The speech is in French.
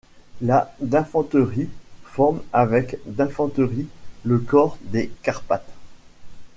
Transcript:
La d'infanterie forme avec la d'infanterie le corps des Carpates.